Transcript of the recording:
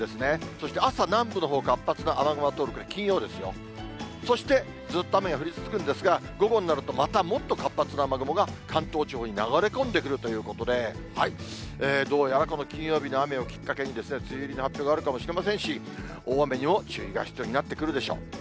そして朝、南部のほう活発な雨雲が通る、金曜ですよ、そしてずっと雨が降り続くんですが、午後になるとまたもっと活発な雨雲が関東地方に流れ込んでくるということで、どうやらこの金曜日の雨をきっかけに、梅雨入りの発表があるかもしれませんし、大雨にも注意が必要になってくるでしょう。